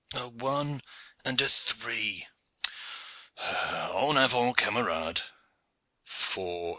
A one and a three! En avant, camarade!"